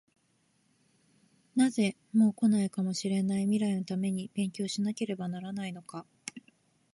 なぜ、もう来ないかもしれない未来のために勉強しなければならないのか？